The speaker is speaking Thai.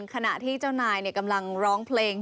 ขณะที่เจ้านายกำลังร้องเพลง